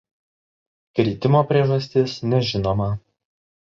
Kritimo priežastis nežinoma.